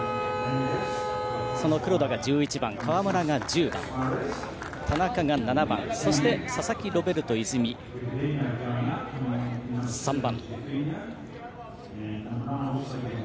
その黒田が１１番川村が１０番、田中が７番そして佐々木ロベルト泉が３番。